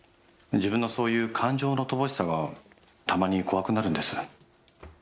自分のそういう感情の乏しさがたまに怖くなるんです。